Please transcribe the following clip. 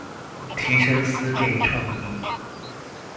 提升思辨創意